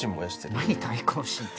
何対抗心って